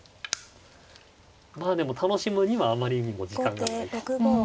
まあでも楽しむにはあまりにも時間がない。